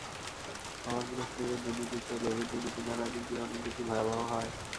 অভাবগ্রস্তদের দুর্নীতির চেয়ে লোভীর দুর্নীতি নানা দিক দিয়ে অনেক বেশি ভয়াবহ হয়।